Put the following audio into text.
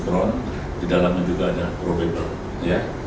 kondisi seperti apa pak pasien tersebut